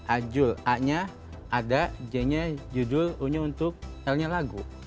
ajul a nya ada j nya judul u nya untuk l nya lagu